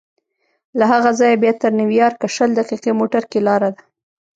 له هغه ځایه بیا تر نیویارکه شل دقیقې موټر کې لاره ده.